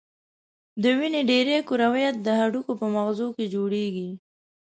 د وینې ډېری کرویات د هډوکو په مغزو کې جوړیږي.